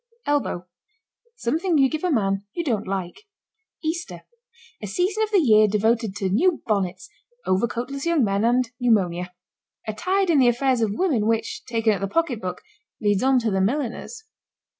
ELBOW. Something you give a man you don't like. EASTER. A season of the year devoted to new bonnets, overcoatless young men and pneumonia. A tide in the affairs of women which, taken at the pocketbook, leads on to the milliners.